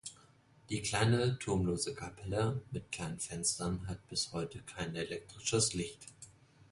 Die kleine turmlose Kapelle mit kleinen Fenstern hat bis heute kein elektrisches Licht.